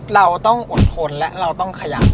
เราต้องอดทนและเราต้องขยับ